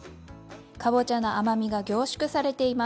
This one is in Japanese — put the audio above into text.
かぼちゃの甘みが凝縮されています。